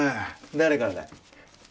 誰からだい？